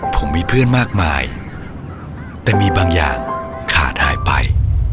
ผมมีเพื่อนมากมายแต่มีบางอย่างขาดหายไป